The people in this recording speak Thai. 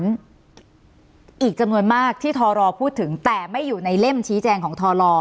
อีกจำนวนมากที่ทรพูดถึงแต่ไม่อยู่ในเล่มชี้แจงของทร